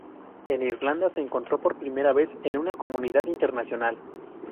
En Irlanda se encontró por primera vez en una comunidad internacional.